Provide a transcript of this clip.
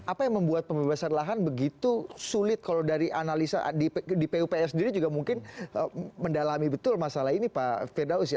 apa yang membuat pembebasan lahan begitu sulit kalau dari analisa di pupr sendiri juga mungkin mendalami betul masalah ini pak firdaus ya